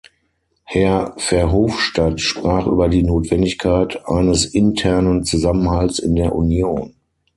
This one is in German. Herr Verhofstadt sprach über die Notwendigkeit eines internen Zusammenhalts in der Union.